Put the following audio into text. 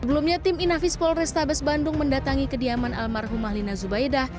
sebelumnya tim inafis polrestabes bandung mendatangi kediaman almarhumah lina zubaidah